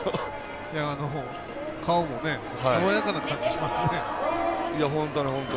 顔もさわやかな感じしますね。